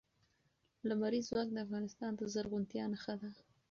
لمریز ځواک د افغانستان د زرغونتیا نښه ده.